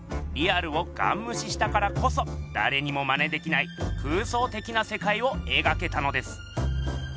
リアルをガンむししたからこそだれにもマネできない空想的なせかいをえがけたのです。